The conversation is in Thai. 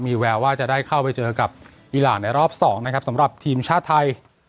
มีแววว่าจะได้เข้าไปเจอกับอีรานในรอบ๒นะครับสำหรับทีมชาติไทย